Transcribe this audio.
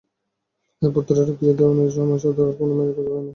তাই পুত্রের বিয়া দেওনের সময় সদাগর কোনো মাইয়া খুঁইজা পায় না।